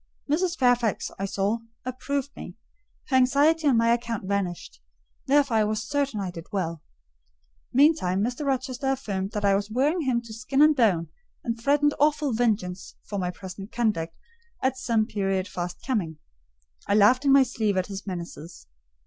Mrs. Fairfax, I saw, approved me: her anxiety on my account vanished; therefore I was certain I did well. Meantime, Mr. Rochester affirmed I was wearing him to skin and bone, and threatened awful vengeance for my present conduct at some period fast coming. I laughed in my sleeve at his menaces.